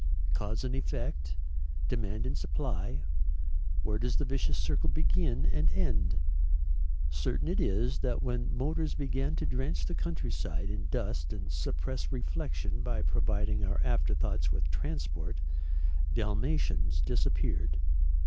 Cause and effect, demand and supply, where does the vicious circle begin and end? Certain it is that when motors began to drench the countryside in dust and suppress reflexion by providing our afterthoughts with transport, Dalmatians disappeared.